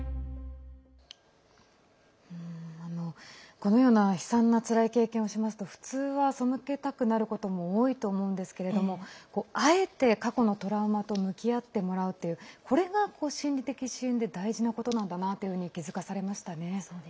このような悲惨なつらい経験をしますと普通は背けたくなることも多いと思うんですけれどもあえて、過去のトラウマと向き合ってもらうというこれが、心理的支援で大事なことなんだと気付かされましたね。